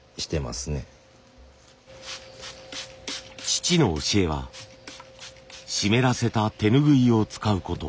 父の教えは湿らせた手拭いを使うこと。